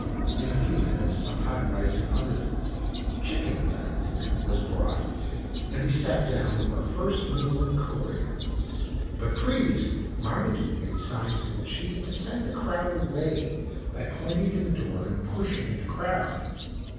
In a few minutes some hot rice and other food (chickens, I think) w r as brought, and we sat down to our first meal in Corea. But previously Marmaduke made signs to the chief to send the crowd away, by pointing to the door and push ing at the crowd.